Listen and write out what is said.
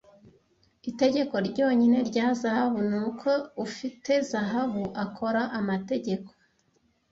Itegeko ryonyine rya zahabu nuko ufite zahabu akora amategeko.